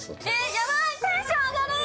ヤバいテンション上がる。